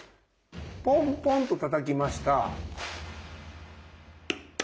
ポンポンとたたきました。